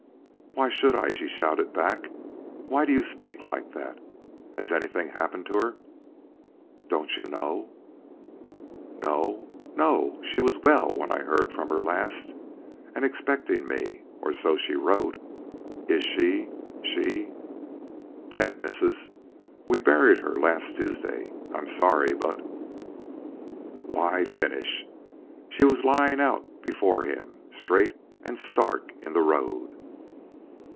"Why should I?" she shouted back. "Why do you speak like that? Has anything happened to her?" "Don't you know?" "No, no she was well when I heard from her last, and expecting me, or so she wrote. Is she she " "Dead, missus. We buried her last Tuesday. I'm sorry, but " Why finish? She was lying out before him, straight and stark in the road.